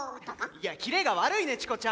いやキレが悪いねチコちゃん。